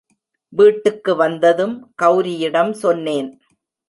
வீட்டுக்கு வந்ததும், கௌரியிடம் சொன்னேன்.